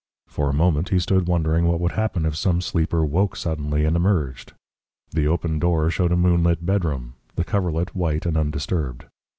For a moment he stood wondering what would happen if some sleeper woke suddenly and emerged. The open door showed a moonlit bedroom, the coverlet white and undisturbed.